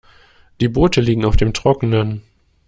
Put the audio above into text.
Die Boote liegen auf dem Trockenen.